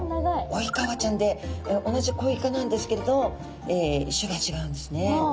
オイカワちゃんで同じコイ科なんですけれど種がちがうんですね。